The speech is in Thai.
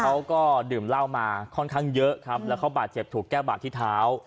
เขาก็ดื่มเหล้ามาค่อนข้างเยอะครับแล้วเขาบาดเจ็บถูกแก้บาดที่เท้า